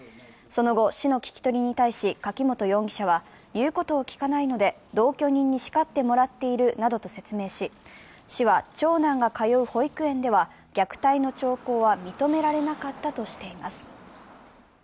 その後、市の聞き取りに対し柿本容疑者は、言うことを聞かないので同居人にしかってもらっているなどと説明し市は長男が通う保育園では虐待の兆候は認められなかったとしています。